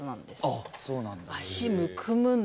あっそうなんだ。